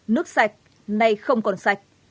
nước sạch nay không còn sạch